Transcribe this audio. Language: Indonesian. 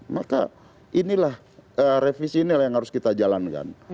maka inilah revisi inilah yang harus kita jalankan